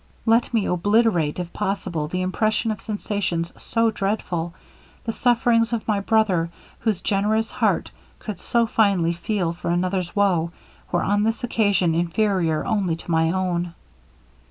Let me obliterate, if possible, the impression of sensations so dreadful. The sufferings of my brother, whose generous heart could so finely feel for another's woe, were on this occasion inferior only to my own.